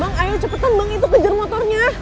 bang ayo cepetan bang itu kejar motornya